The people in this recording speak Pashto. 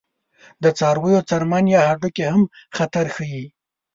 د څارویو څرمن او یا هډوکي هم خطر ښيي.